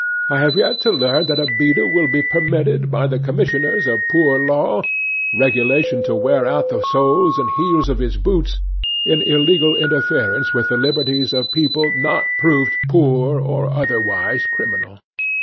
I have yet to learn that a beadle will be permitted by the commissioners of poor law regulation to wear out the soles and heels of his boots in illegal interference with the liberties of people not proved poor or otherwise criminal.